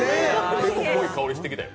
結構、濃い香りしてきたよ。